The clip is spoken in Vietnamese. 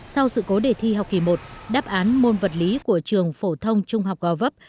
sau sự cố đề thi học kỳ một đáp án môn vật lý của trường phổ thông trung học gò vấp